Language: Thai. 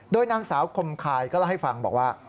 โดยนางสาวคมคายก็เล่าให้ฟังบอกว่า